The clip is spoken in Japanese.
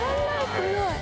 すごい！